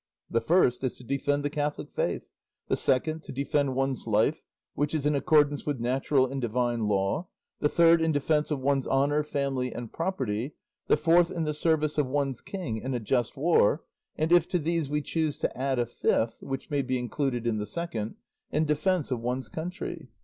The first is to defend the Catholic faith; the second, to defend one's life, which is in accordance with natural and divine law; the third, in defence of one's honour, family, and property; the fourth, in the service of one's king in a just war; and if to these we choose to add a fifth (which may be included in the second), in defence of one's country.